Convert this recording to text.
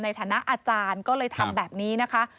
ในฐานะอาจารย์ก็เลยทำแบบนี้นะคะ